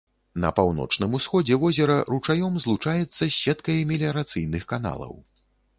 На паўночным усходзе возера ручаём злучаецца з сеткай меліярацыйных каналаў.